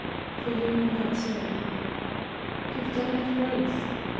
For you need not so. Give them not praise.